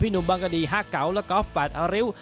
พี่หนุ่มบังกะดีฮะเก๋าและก็อฟแบบอาริว